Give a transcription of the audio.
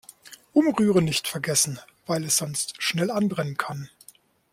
Umrühren nicht vergessen, weil es sonst schnell anbrennen kann.